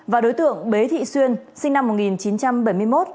và đối tượng bế thị xuyên sinh năm một nghìn chín trăm bảy mươi một